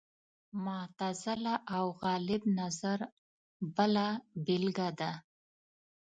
معتزله او غالب نظر بله بېلګه ده